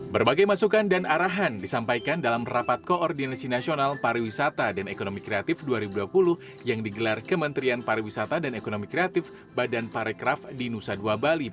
kepariwisataan di tanah air berpeluang besar kembali pulih pasca pandemi